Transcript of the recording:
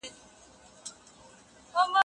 ناوړه خوندونه نه لټول کېږي.